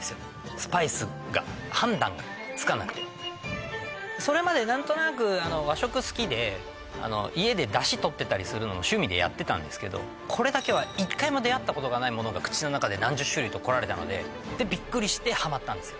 スパイスが判断がつかなくてそれまで何となく和食好きで家でダシとってたりするのも趣味でやってたんですけどこれだけは一回も出会ったことがないものが口の中で何十種類と来られたのでビックリしてハマったんですよ